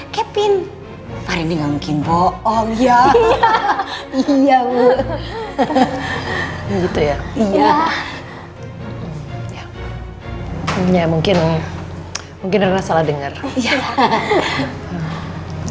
kepin hari ini enggak mungkin mauom ya iya iya iya iya mungkin mungkin benar salah denger ya ya